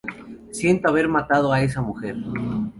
Siento haber matado a esa mujer.